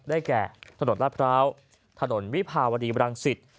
แก่ถนนลาดพร้าวถนนวิภาวดีบรังสิต